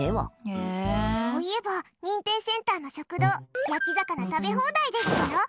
そういえば認定センターの食堂焼き魚食べ放題ですよ。